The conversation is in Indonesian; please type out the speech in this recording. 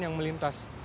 yang akan melintas